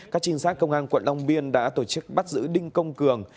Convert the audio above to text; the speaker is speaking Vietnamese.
các trinh sát công an quận long biên đã tổ chức bắt giữ đinh công cường